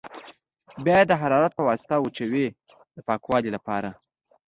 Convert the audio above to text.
بیا یې د حرارت په واسطه وچوي د پاکوالي لپاره.